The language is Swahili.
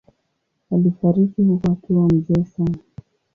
Alifariki huko akiwa mzee sana.